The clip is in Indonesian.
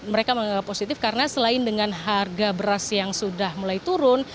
mereka menganggap positif karena selain dengan harga beras yang sudah mulai turun